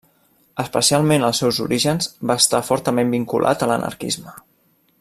Especialment als seus orígens, va estar fortament vinculat a l'anarquisme.